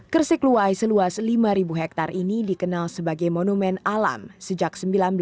kersikluwai seluas lima hektare ini dikenal sebagai monumen alam sejak seribu sembilan ratus sembilan puluh